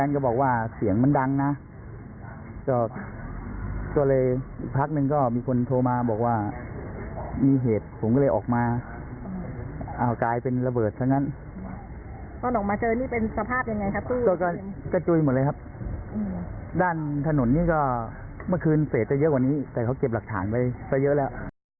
การเติมอัมพาตลที่บุคลุมอยู่บนพิสิทธิ์ซื้อว่าเมื่อคืนเสจจะเยอะกว่านี้แต่เขาเก็บหลักฐานไปจะเยอะแล้ว